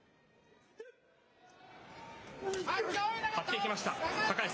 張っていきました、高安。